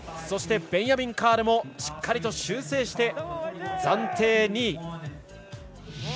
そしてベンヤミン・カールもしっかり修正して暫定２位。